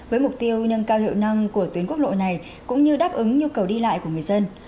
với mục tiêu nâng cao hiệu năng của tuyến quốc lộ này cũng như đáp ứng nhu cầu đi lại của người dân